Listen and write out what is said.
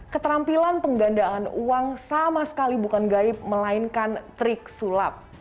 keterampilan penggandaan uang sama sekali bukan gaib melainkan trik sulap